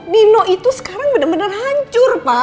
nino itu sekarang bener bener hancur pak